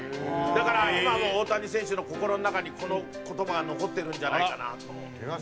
だから今も大谷選手の心の中にこの言葉が残ってるんじゃないかなと。